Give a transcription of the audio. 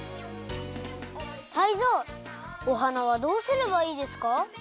タイゾウおはなはどうすればいいですか？